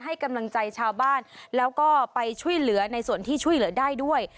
ให้กำลังใจชาวบ้านแล้วก็ไปช่วยเหลือในส่วนที่ช่วยเหลือได้ด้วย